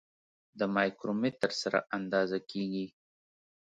د مایکرومتر سره اندازه کیږي.